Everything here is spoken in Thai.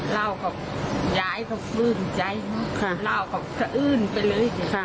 เล่ากับยายเขาฟื้นใจเล่ากับสะอื้นไปเลย